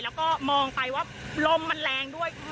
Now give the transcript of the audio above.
แล้วก็มองไปว่าลมมันแรงด้วยมันไหม้แบบ